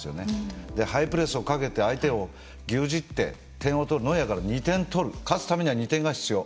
ハイプレスをかけて相手を牛耳って点を取るノイアーから２点取る勝つためには２点が必要。